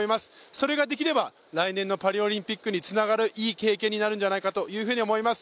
それができれば来年のパリオリンピックにつながるいい経験になると思います。